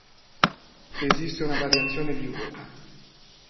Esiste una variazione diurna.